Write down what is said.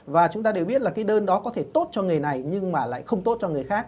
và chúng ta đều biết là cái đơn đó có thể tốt cho nghề này nhưng mà lại không tốt cho người khác